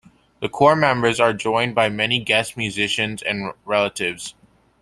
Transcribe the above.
The core members are joined by many guest musicians and relatives.